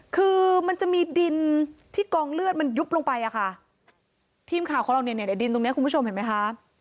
คือมันจะมีดินที่กองเลือดมันยุบลงไปอ่ะค่ะทีมข่าวของเราเนี่ยในดินตรงเนี้ยคุณผู้ชมเห็นไหมคะ